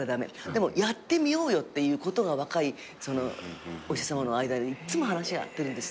でもやってみようよっていうことが若いお医者さまの間でいっつも話し合ってるんですって。